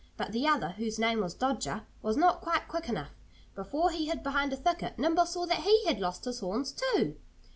But the other, whose name was Dodger, was not quite quick enough. Before he hid behind a thicket Nimble saw that he had lost his horns too!